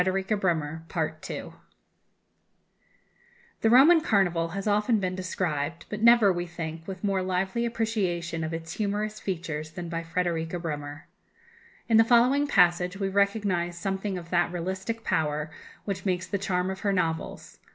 The Roman Carnival has often been described, but never, we think, with more lively appreciation of its humorous features than by Frederika Bremer. In the following passage we recognize something of that realistic power which makes the charm of her novels.